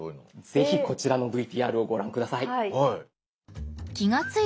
ぜひこちらのＶＴＲをご覧下さい。